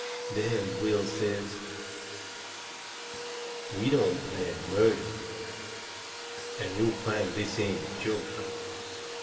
Then Will says: "We don't plan murder, and you'll find this ain't a joke.